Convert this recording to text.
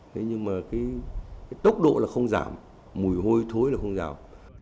thế nhưng mà cái tốc độ là không giảm mùi hôi thối là không rào